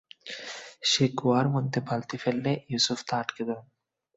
সে কুয়ার মধ্যে বালতি ফেললে ইউসুফ তা আঁকড়ে ধরেন।